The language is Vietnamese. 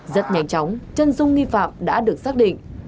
rất nhanh chóng chân dung nghi phạm đã được xác định